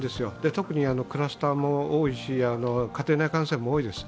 特にクラスターも多いし、家庭内感染も多いです。